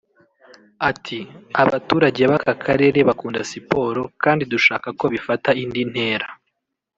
Ati “Abaturage b’aka karere bakunda siporo kandi dushaka ko bifata indi ntera